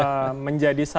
nah terakhir bang hasan